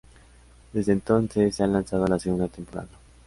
Desde entonces se ha lanzado la segunda temporada.